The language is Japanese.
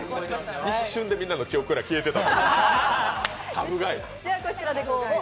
一瞬でみんなの記憶から消えてた。